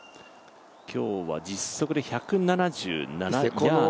今日は実測で１７７ヤード。